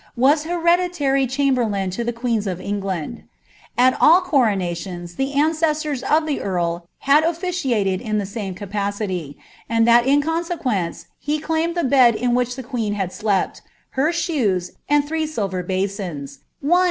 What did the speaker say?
was heredilarj chamberlain lo the queens of Eng «II coronations the ancestors of the earl had oHiciated in the ity ; and tlinl in consequence he claimed the bed in which hail slept, her sboea, aud three silver basins — one.